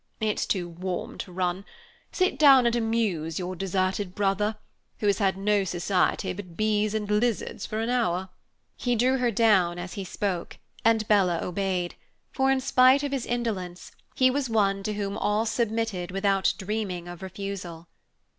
"It's too warm to run. Sit down and amuse your deserted brother, who has had no society but bees and lizards for an hour." He drew her down as he spoke, and Bella obeyed; for, in spite of his indolence, he was one to whom all submitted without dreaming of refusal.